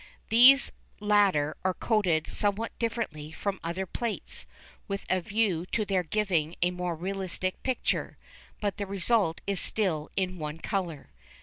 These latter are coated somewhat differently from other plates, with a view to their giving a more realistic picture, but the result is still in one colour.